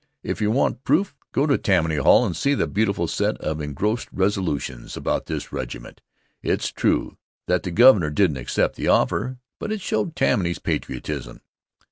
If you want proof, go to Tammany Hall and see the beautiful set of engrossed resolutions about this regiment. It's true that the Governor didn't accept the offer, but it showed Tammany's patriotism.